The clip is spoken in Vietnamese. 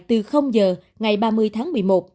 từ giờ ngày ba mươi tháng một mươi một